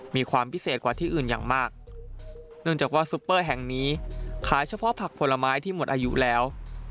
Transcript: มีความพิเศษกว่าที่อื่นอย่างมากเนื่องจากว่าซุปเปอร์แห่งนี้ขายเฉพาะผักผลไม้ที่หมดอายุแล้ว